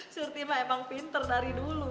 surti mah emang pinter dari dulu